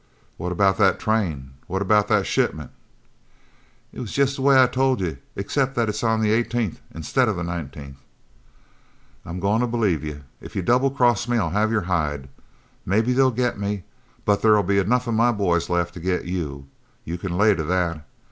"What about that train? What about that shipment?" "It's jest the way I told you, except that it's on the eighteenth instead of the nineteenth." "I'm goin' to believe you. If you double cross me I'll have your hide. Maybe they'll get me, but there'll be enough of my boys left to get you. You can lay to that.